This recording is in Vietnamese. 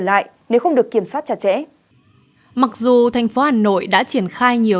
lại nếu không được kiểm soát chặt chẽ mặc dù thành phố hà nội đã triển khai nhiều